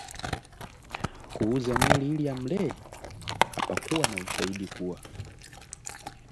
Kuuza mwili ili amlee? Hapakuwa na ushahidi kuwa